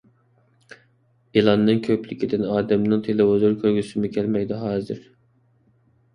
ئېلاننىڭ كۆپلۈكىدىن ئادەمنىڭ تېلېۋىزور كۆرگۈسىمۇ كەلمەيدۇ ھازىر.